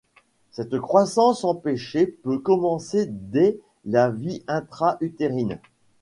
Cette croissance empêchée peut commencer dès la vie intra-utérine.